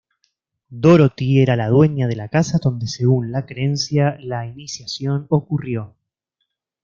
Dorothy era la dueña de la casa donde según la creencia la iniciación ocurrió.